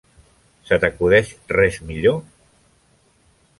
Se t'acudeix res millor?